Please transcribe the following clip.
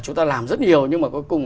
chúng ta làm rất nhiều nhưng mà cuối cùng